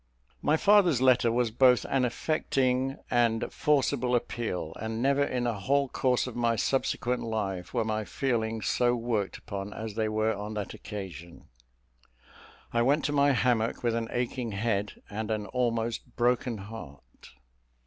My father's letter was both an affecting and forcible appeal; and never, in the whole course of my subsequent life, were my feelings so worked upon as they were on that occasion. I went to my hammock with an aching head and an almost broken heart.